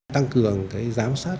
tăng cường giám sát